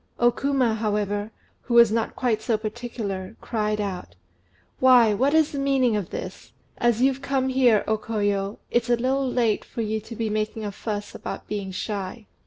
O Kuma, however, who was not quite so particular, cried out "Why, what is the meaning of this? As you've come here, O Koyo, it's a little late for you to be making a fuss about being shy.